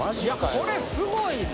これすごいな。